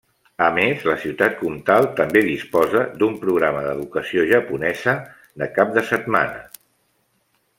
A més, la ciutat comtal també disposa d'un programa d'educació japonesa de cap de setmana.